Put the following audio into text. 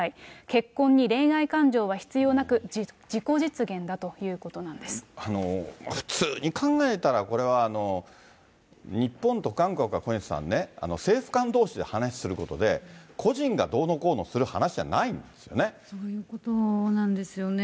結婚に恋愛感情は必要なく、普通に考えたら、これは日本と韓国が小西さんね、政府間どうしで話することで、個人がどうのこうのする話じゃないそういうことなんですよね。